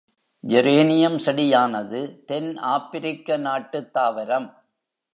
Geranium செடியானது தென் ஆப்பிரிக்க நாட்டுத் தாவரம்.